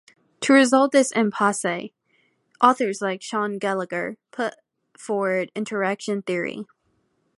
To resolve this impasse, authors like Shaun Gallagher put forward interaction theory.